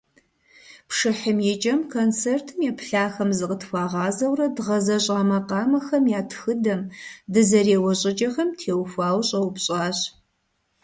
Пшыхьым и кӀэм концертым еплъахэм зыкъытхуагъазэурэ дгъэзэщӀа макъамэхэм я тхыдэм, дызэреуэ щӀыкӀэхэм теухуауэ щӀэупщӀащ.